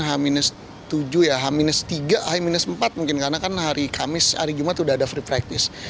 h tujuh ya h tiga h empat mungkin karena kan hari kamis hari jumat sudah ada free practice